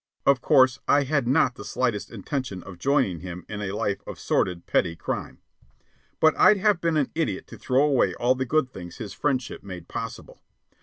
Of course I had not the slightest intention of joining him in a life of sordid, petty crime; but I'd have been an idiot to throw away all the good things his friendship made possible.